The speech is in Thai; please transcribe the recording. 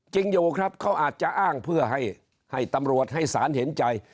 จริงอยู่ครับเขาอาจจะอ้างเพื่อให้ตำรวจให้สารเห็นใจ